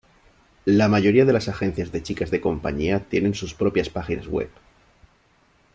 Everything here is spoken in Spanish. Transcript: La mayoría de las agencias de chicas de compañía tienen sus propias páginas web.